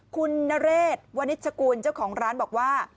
คุณนเรศวนิชกูลเจ้าของร้านบอกว่า